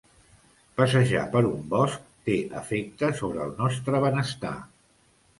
Passejar per un bosc té efecte sobre el nostre benestar.